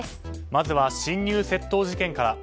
まずは侵入窃盗事件から。